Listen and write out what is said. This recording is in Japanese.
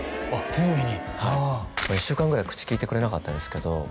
ああ１週間ぐらい口きいてくれなかったですけど